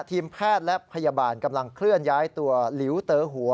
ทีมแพทย์และพยาบาลกำลังเคลื่อนย้ายตัวหลิวเตอหัว